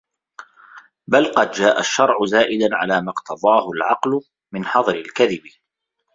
بَلْ قَدْ جَاءَ الشَّرْعُ زَائِدًا عَلَى مَا اقْتَضَاهُ الْعَقْلُ مِنْ حَظْرِ الْكَذِبِ